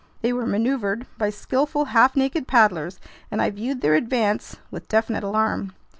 They were maneuvered by skillful, half naked paddlers, and I viewed their advance with definite alarm.